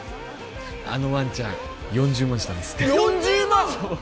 あのワンちゃん４０万したんですって４０万！？